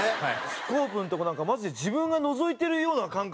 スコープのとこなんかマジで自分がのぞいてるような感覚。